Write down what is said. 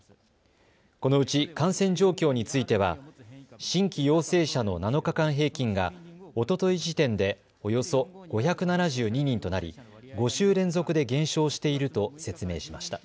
このうち感染状況については新規陽性者の７日間平均がおととい時点でおよそ５７２人となり、５週連続で減少していると説明しました。